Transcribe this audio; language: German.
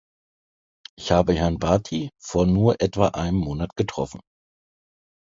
Ich habe Herrn Bhatti vor nur etwa einem Monat getroffen.